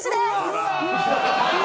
うわ！